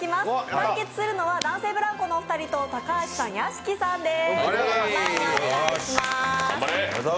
対決するのは男性ブランコのお二人と、高橋さん、屋敷さんです。